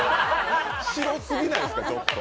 白すぎないですか、ちょっと。